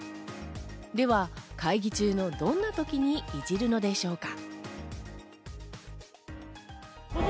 では、会議中のどんなときにいじるのでしょうか。